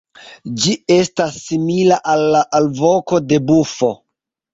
Ĝi estas simila al la alvoko de bufo.